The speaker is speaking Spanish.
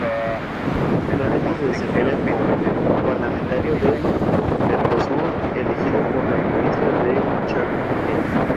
Actualmente se desempeña como Parlamentario del Mercosur elegido por la Provincia del Chaco, Argentina.